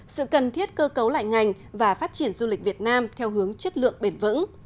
sự cần thiết cơ cấu lại ngành và phát triển du lịch việt nam theo hướng chất lượng bền vững